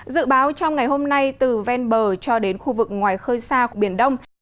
dự báo trong ngày hôm nay từ ven bờ cho đến khu vực ngoài khơi xa của biển đông